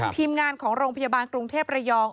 ทีมงานของโรงพยาบาลกรุงเทพระยอง